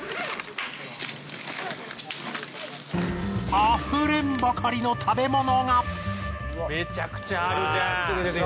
あふれんばかりの食べ物が！